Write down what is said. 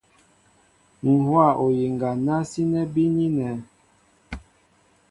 Ǹ hówa oyiŋga ná sínɛ́ bínínɛ̄.